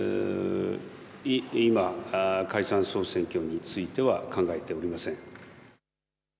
今、解散・総選挙については考えておりません。